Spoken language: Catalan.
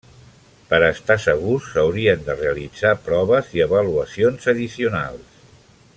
Per estar segurs s'haurien de realitzar proves i avaluacions addicionals.